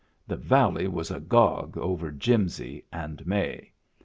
The valley was agog over Jimsy and May.